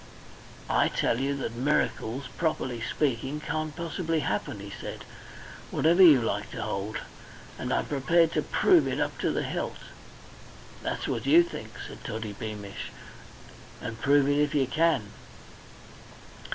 "I tell you that miracles, properly speaking, can't possibly happen," he said, "whatever you like to hold. And I'm prepared to prove it up to the hilt." "That's what you think," said Toddy Beamish, and "Prove it if you can."